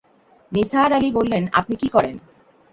নিসার আলি বললেন, আপনি কী করেন?